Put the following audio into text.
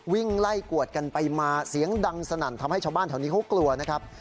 วิ่งไล่กวดกันไปมาเสียงดังสนั่นทำให้ชาวบ้านแถวนี้เขากลัวนะครับ